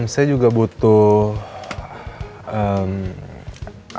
saya juga butuh